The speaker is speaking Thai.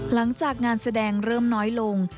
หลังจากงานแสดงเริ่มน้อยลง